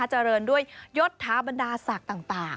เจริญด้วยยศถาบรรดาศักดิ์ต่าง